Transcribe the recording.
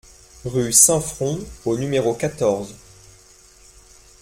Rue Saint-Front au numéro quatorze